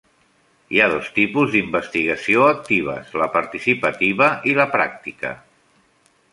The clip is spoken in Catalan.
Hi ha dos tipus d'investigació actives: la participativa i la pràctica.